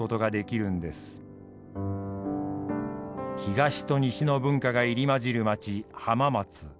東と西の文化が入り交じる街浜松。